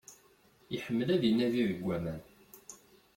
Iḥemmel ad inadi deg aman.